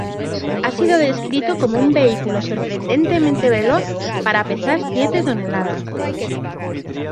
Ha sido descrito como un vehículo sorprendentemente veloz para pesar siete toneladas.